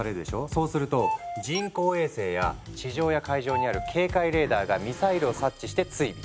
そうすると人工衛星や地上や海上にある警戒レーダーがミサイルを察知して追尾。